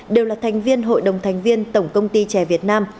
đều là thành viên hội đồng thành viên tổng công ty trẻ việt nam